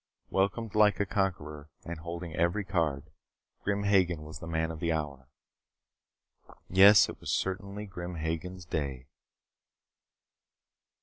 Welcomed like a conqueror, and holding every card, Grim Hagen was the man of the hour. Yes, it was certainly Grim Hagen's day.